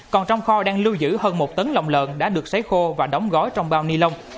còn trong kho đang lưu giữ hơn một tấn lòng lợn đã được xấy khô và đóng gói trong bao ni lông